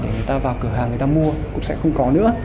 để người ta vào cửa hàng người ta mua cũng sẽ không có nữa